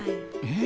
え？